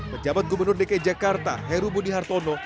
pejabat gubernur dki jakarta heru budi hartono